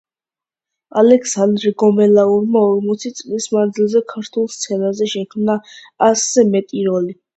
ალექსანდრე გომელაურმა ორმოცი წლის მანძილზე ქართულ სცენაზე შექმნა ასზე მეტი როლი.